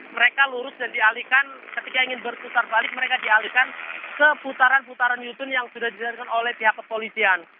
mereka lurus dan dialihkan ketika ingin berputar balik mereka dialihkan ke putaran putaran yutun yang sudah dilakukan oleh pihak kepolisian